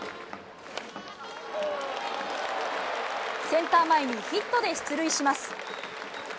センター前にヒットで出塁します。